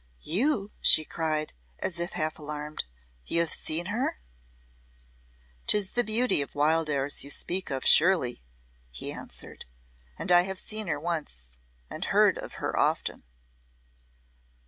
"You," she cried, as if half alarmed; "you have seen her?" "'Tis the beauty of Wildairs you speak of surely," he answered; "and I have seen her once and heard of her often."